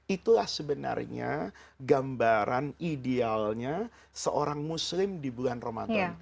itulah sebenarnya gambaran idealnya seorang muslim di bulan ramadan